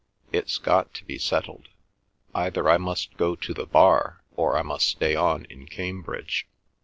It's got to be settled. Either I must go to the bar, or I must stay on in Cambridge.